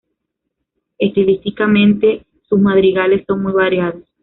Estilísticamente sus madrigales son muy variados.